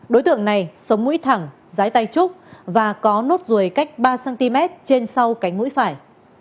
đối tượng này sống mũi thẳng rái tay trúc và có nốt ruồi cách ba cm trên sau cánh mũi phải